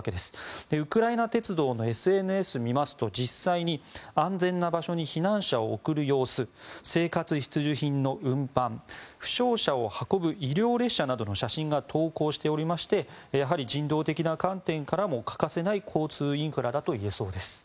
ウクライナ鉄道のＳＮＳを見ますと実際に安全な場所に避難者を送る様子生活必需品の運搬負傷者を運ぶ医療列車の様子などを投稿しておりまして人道的な観点からも欠かせない交通インフラだといえそうです。